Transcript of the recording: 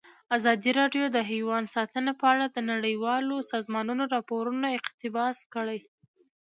ازادي راډیو د حیوان ساتنه په اړه د نړیوالو سازمانونو راپورونه اقتباس کړي.